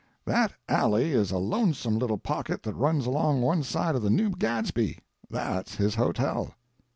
That alley is a lonesome little pocket that runs along one side of the New Gadsby. That's his hotel."